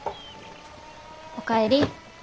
お帰り。